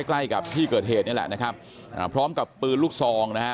ใกล้กับที่เกิดเหตุนี่แหละนะครับอ่าพร้อมกับปืนลูกซองนะฮะ